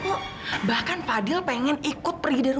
aku sudah tak sabar pulang ke rumah ini binu